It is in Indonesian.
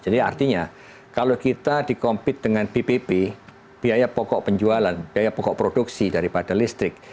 jadi artinya kalau kita dikompetisi dengan ppp biaya pokok penjualan biaya pokok produksi daripada listrik